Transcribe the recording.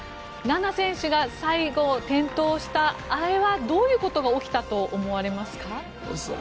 菜那選手が最後、転倒したあれはどういうことが起きたと思われますか？